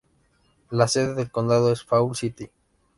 La sede del condado es Falls City.